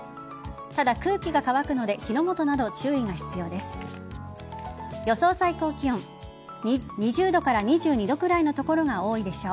ただ空気が乾くので火の元など注意が必要です。